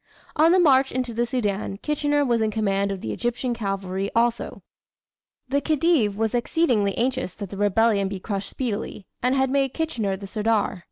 On the march into the Soudan, Kitchener was in command of the Egyptian Cavalry also. The Khedive was exceedingly anxious that the rebellion be crushed speedily, and had made Kitchener the "sirdar."